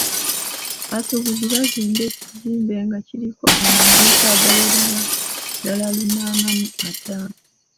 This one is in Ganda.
Abasuubuzi baazimba ekizimbe nga kiriko amaduuka agawerera ddala lunaana mu ataano.